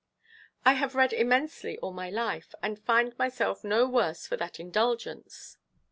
I have read immensely all my life, and find myself no worse for that indulgence.